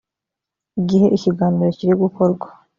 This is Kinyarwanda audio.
igihe ikiganiro kiri gukorwa